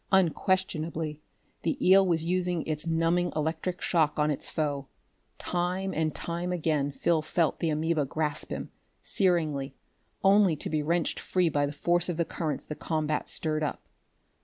Unquestionably the eel was using its numbing electric shock on its foe. Time and time again Phil felt the amoeba grasp him, searingly, only to be wrenched free by the force of the currents the combat stirred up.